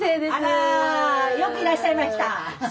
あらよくいらっしゃいました。